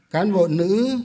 cán bộ nữ